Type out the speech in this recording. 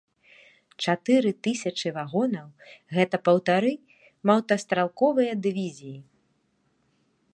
Чатыры тысячы вагонаў гэта паўтары мотастралковыя дывізіі.